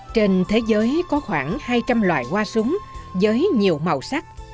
trên thế giới có khoảng hai trăm linh loài hoa súng với nhiều màu sắc